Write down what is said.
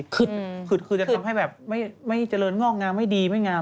คือจะทำให้แบบไม่เจริญงอกงามไม่ดีไม่งาม